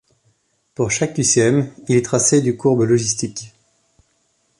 Pour chaque qcm, il est tracé du courbe logistique.